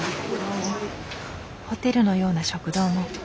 ホテルのような食堂も。